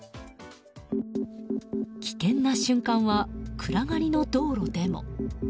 危険な瞬間は暗がりの道路でも。